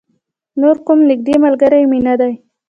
نور کوم نږدې ملگری مې نه دی.